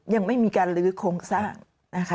ยังไม่มีการลื้อโครงสร้างนะคะ